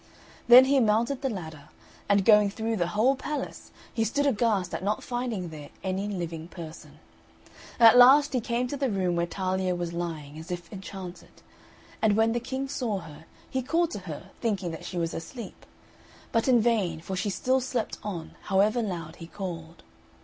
Then he mounted the ladder, and going through the whole palace, he stood aghast at not finding there any living person. At last he came to the room where Talia was lying, as if enchanted; and when the King saw her, he called to her, thinking that she was asleep, but in vain, for she still slept on, however loud he called.